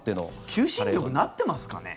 求心力なってますかね？